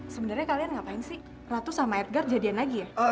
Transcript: sebenarnya kalian ngapain sih ratu sama edgar jadian lagi ya